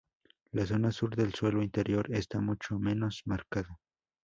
La zona sur del suelo interior está mucho menos marcada.